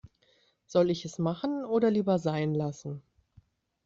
Soll ich es machen oder lieber sein lassen?